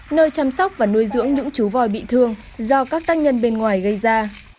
nơi chăm sóc và nuôi dưỡng những chú voi bị thương do các tác nhân bên ngoài gây ra